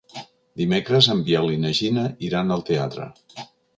Dimecres en Biel i na Gina iran al teatre.